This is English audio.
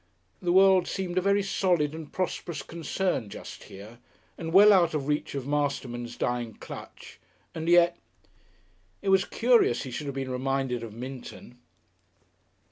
The world seemed a very solid and prosperous concern just here, and well out of reach of Masterman's dying clutch. And yet It was curious he should have been reminded of Minton.